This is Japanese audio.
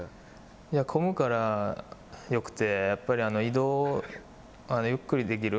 いや、混むからよくて、やっぱり移動ゆっくりできる。